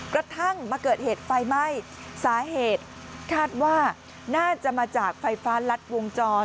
กระทั่งมาเกิดเหตุไฟไหม้สาเหตุคาดว่าน่าจะมาจากไฟฟ้ารัดวงจร